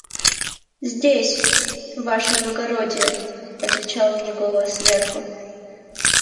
«Здесь, ваше благородие», – отвечал мне голос сверху.